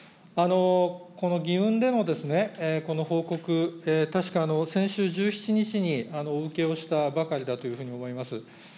この議運でのこの報告、確か先週１７日にお受けをしたばかりだというふうに思います。